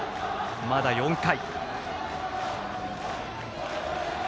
まだ４回。